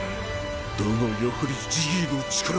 だがやはりジギーの力か